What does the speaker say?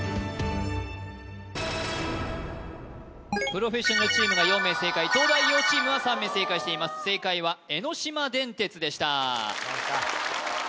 プロフェッショナルチームが４名正解東大王チームは３名正解していますでした